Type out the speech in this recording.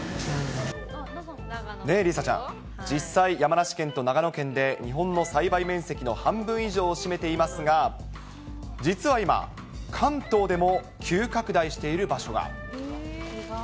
ねえ、梨紗ちゃん、実際、山梨県と長野県で日本の栽培面積の半分以上を占めていますが、実は今、関東でも急拡大している場所が。